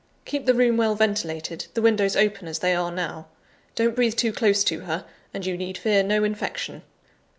Keep the room well ventilated, the windows open as they are now. Don't breathe too close to her, and you need fear no infection.